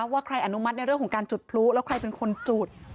ว่าใครอนุมัติในเรื่องของการจุดพลุแล้วใครเป็นคนจุด